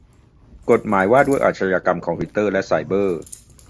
กฎหมายว่าด้วยอาขญากรรมคอมพิวเตอร์และไซเบอร์